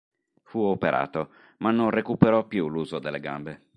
Fu operato, ma non recuperò più l'uso delle gambe.